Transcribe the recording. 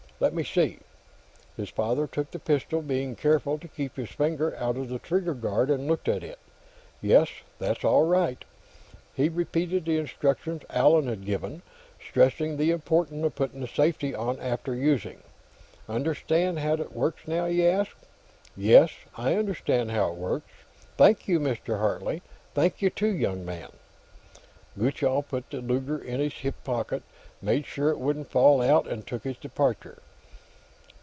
"Let me see." His father took the pistol, being careful to keep his finger out of the trigger guard, and looked at it. "Yes, that's all right." He repeated the instructions Allan had given, stressing the importance of putting the safety on after using. "Understand how it works, now?" he asked. "Yes, I understand how it works. Thank you, Mr. Hartley. Thank you, too, young man." Gutchall put the Luger in his hip pocket, made sure it wouldn't fall out, and took his departure.